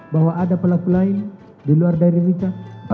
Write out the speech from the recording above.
bahwa ada pelaku lain di luar daerah indonesia